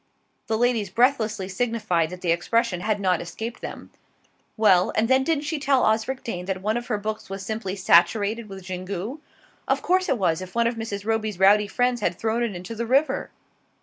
The ladies breathlessly signified that the expression had not escaped them. "Well and then didn't she tell Osric Dane that one of her books was simply saturated with Xingu? Of course it was, if one of Mrs. Roby's rowdy friends had thrown it into the river!"